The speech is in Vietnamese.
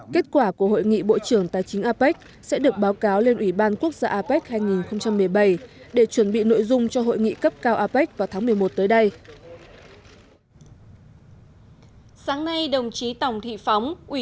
kết quả của hội nghị bộ trưởng tài chính apec sẽ được báo cáo lên ủy ban quốc gia apec hai nghìn một mươi bảy để chuẩn bị nội dung cho hội nghị cấp cao apec vào tháng một mươi một tới đây